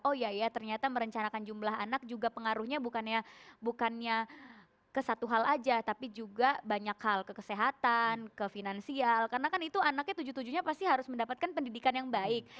oh iya ya ternyata merencanakan jumlah anak juga pengaruhnya bukannya ke satu hal aja tapi juga banyak hal ke kesehatan ke finansial karena kan itu anaknya tujuh tujuhnya pasti harus mendapatkan pendidikan yang baik